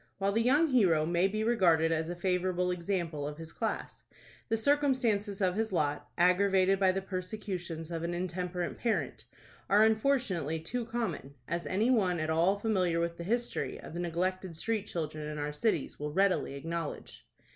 While the young hero may be regarded as a favorable example of his class, the circumstances of his lot, aggravated by the persecutions of an intemperate parent, are unfortunately too common, as any one at all familiar with the history of the neglected street children in our cities will readily acknowledge.